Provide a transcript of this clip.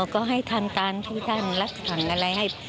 ก็ให้ท่านการพี่หลักฝังอะไร